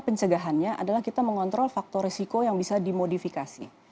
pencegahannya adalah kita mengontrol faktor risiko yang bisa dimodifikasi